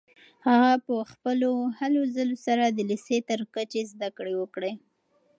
هغه په خپلو هلو ځلو سره د لیسې تر کچې زده کړې وکړې.